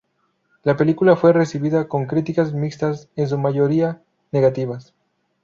La película fue recibida con críticas mixtas, en su mayoría negativas.